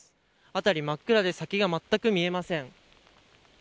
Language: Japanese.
辺りは真っ暗で先がまったく見えません。